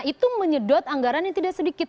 itu menyedot anggaran yang tidak sedikit